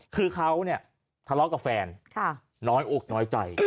คือเขาเนี่ยทะเลาะกับแฟนน้อยอกน้อยใจ